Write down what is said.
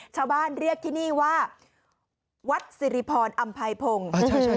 ชาวบ้านเรียกที่นี่ว่าวัดสิริพรอำไพพงศ์